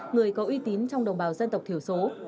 người có uy tín trong đồng bào dân tộc thiểu số